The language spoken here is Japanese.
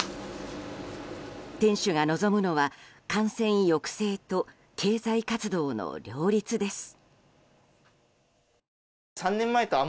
店主が望むのは感染抑制と経済活動の両立です。